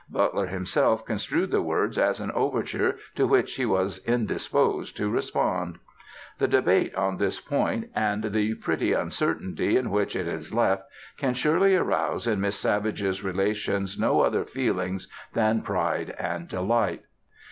Butler himself construed the words as an overture to which he was indisposed to respond. The debate on this point and the pretty uncertainty in which it is left can surely arouse in Miss Savage's relations no other feelings than "pride and delight."